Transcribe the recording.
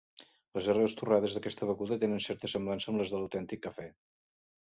Les arrels torrades d'aquesta beguda tenen certa semblança amb les de l'autèntic cafè.